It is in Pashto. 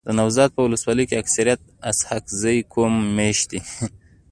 دنوزاد په ولسوالۍ کي اکثريت اسحق زی قوم میشت دی.